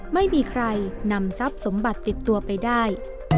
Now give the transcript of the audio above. ไม่มีใครนำทรัพย์สมบัติติดตัวไปได้